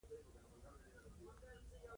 نن مې د اوبو بیل راووړ.